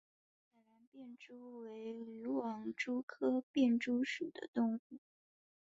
海南便蛛为缕网蛛科便蛛属的动物。